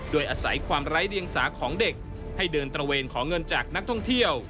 โดยอาศัยความไร้เดียงสาของเด็กให้เดินตระเวนขอเงินจากนักท่องเที่ยว